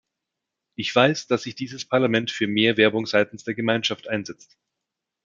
Ich weiß, dass sich dieses Parlament für mehr Werbung seitens der Gemeinschaft einsetzt.